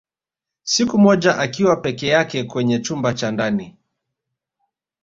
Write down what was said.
Siku moja akiwa peke yake kwenye chumba cha ndani